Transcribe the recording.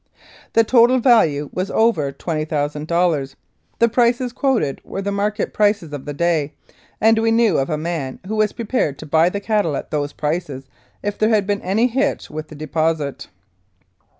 The total value was over 20,000 dollars. The prices quoted were the market prices of the day, and we knew of a man who was prepared to buy the cattle at those prices if there had been any hitch with the deposit.